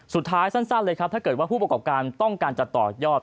สั้นเลยครับถ้าเกิดว่าผู้ประกอบการต้องการจะต่อยอด